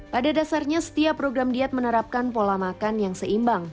pada dasarnya setiap program diet menerapkan pola manis